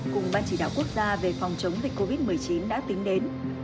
cùng ban chỉ đạo quốc gia về phòng chống dịch covid một mươi chín đã tính đến